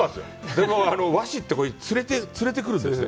でも和紙って連れてくるんですよ。